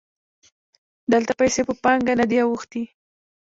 دلته پیسې په پانګه نه دي اوښتي